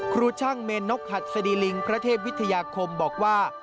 ครูช่างเมนนกหัดสดีลิงพระเทพวิทยาคมบอกว่า